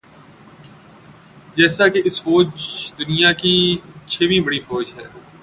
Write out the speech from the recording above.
جیسا کہ اس کی فوج دنیا کی چھویں بڑی فوج ہے